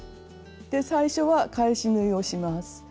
で最初は返し縫いをします。